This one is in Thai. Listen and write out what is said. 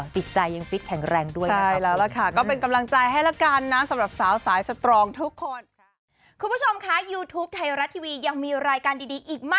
จิตใจยังฟิตแข็งแรงด้วยนะคะคุณคุณค่ะใช่แล้วล่ะค่ะก็เป็นกำลังใจให้ละกันนะ